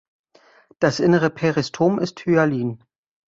Das innere Peristom ist hyalin.